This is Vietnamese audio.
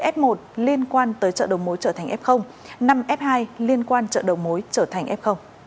f một liên quan tới chợ đầu mối trở thành f năm f hai liên quan chợ đầu mối trở thành f